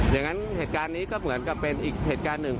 อย่างนั้นเหตุการณ์นี้ก็เหมือนกับเป็นอีกเหตุการณ์หนึ่ง